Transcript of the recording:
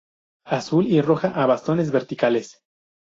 Azul y roja a bastones verticales.